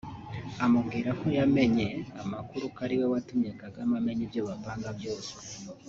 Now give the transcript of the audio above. amubwira ko yamenye amakuru ko ariwe watumye Kagame amenya ibyo bapanga byose